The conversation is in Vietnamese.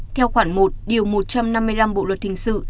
theo khoảng một điều một trăm năm mươi năm bộ luật thình sự